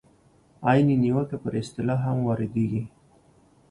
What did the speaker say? عین نیوکه پر اصطلاح هم واردېږي.